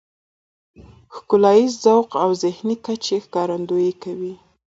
ښکلاييز ذوق او ذهني کچې ښکارندويي کوي .